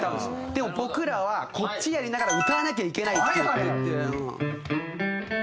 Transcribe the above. でも僕らはこっちやりながら歌わなきゃいけないっていう。